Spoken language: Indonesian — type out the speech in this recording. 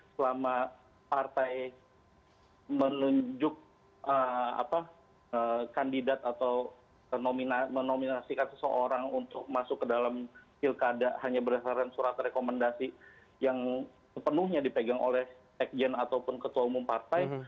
selama partai menunjuk kandidat atau menominasikan seseorang untuk masuk ke dalam pilkada hanya berdasarkan surat rekomendasi yang sepenuhnya dipegang oleh sekjen ataupun ketua umum partai